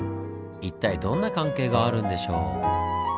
一体どんな関係があるんでしょう？